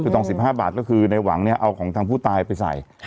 คือทอง๑๕บาทก็คือในหวังเนี่ยเอาของทางผู้ตายไปใส่